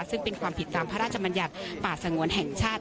ซึ่งเป็นความผิดตามพระราชมัญญัติป่าสงวนแห่งชาติ